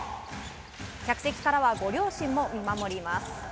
客席からはご両親も見守ります。